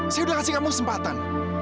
saya udah kasih kamu kesempatan